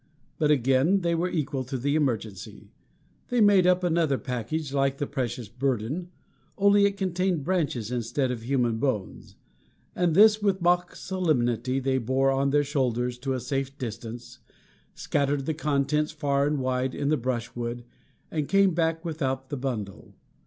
But again they were equal to the emergency. They made up another package like the precious burden, only it contained branches instead of human bones; and this, with mock solemnity, they bore on their shoulders to a safe distance, scattered the contents far and wide in the brushwood, and came back without the bundle.